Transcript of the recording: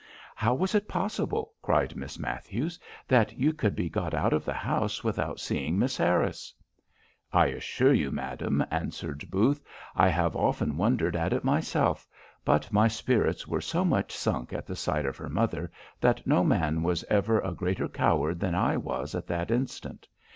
"How was it possible," cried Miss Matthews, "that you could be got out of the house without seeing Miss Harris?" "I assure you, madam," answered Booth, "I have often wondered at it myself; but my spirits were so much sunk at the sight of her mother, that no man was ever a greater coward than I was at that instant.